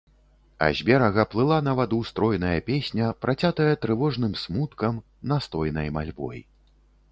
А з берага плыла на ваду стройная песня, працятая трывожным смуткам, настойнай мальбой.